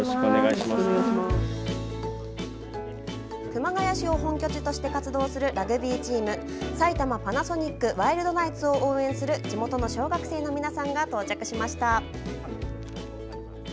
熊谷市を本拠地として活動するラグビーチーム埼玉パナソニックワイルドナイツを応援する地元の小学生の皆さんが到着しました。